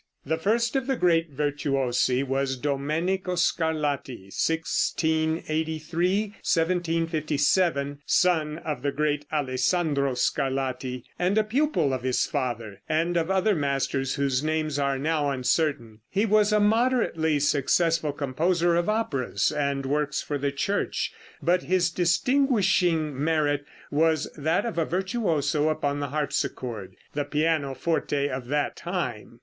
The first of the great virtuosi was Domenico Scarlatti (1683 1757), son of the great Alessandro Scarlatti, and a pupil of his father, and of other masters whose names are now uncertain. He was a moderately successful composer of operas and works for the Church, but his distinguishing merit was that of a virtuoso upon the harpsichord the pianoforte of that time.